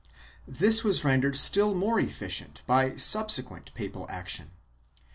This was rendered still more efficient by subsequent papal action.